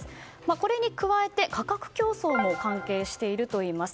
これに加えて、価格競争も関係しているといいます。